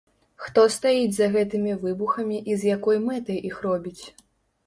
Хто стаіць за гэтымі выбухамі і з якой мэтай іх робіць?